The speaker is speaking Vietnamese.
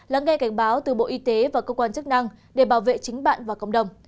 lắng nghe cảnh báo từ bộ y tế và cơ quan chức năng để bảo vệ chính bạn và cộng đồng